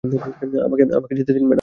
আমাকে যেতে দিন, ম্যাডাম।